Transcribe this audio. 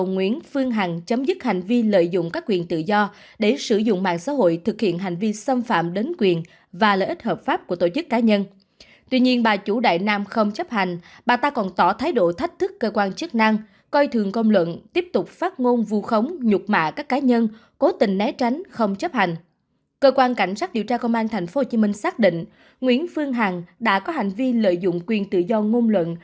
nguyễn phương hằng đến nhà riêng của cơ quan cảnh sát điều tra công an tp hcm mời nguyễn phương hằng lên làm việc bốn lần